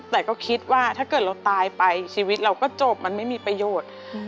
แต่ก็คิดว่าถ้าเกิดเราตายไปชีวิตเราก็จบมันไม่มีประโยชน์